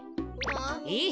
えっ？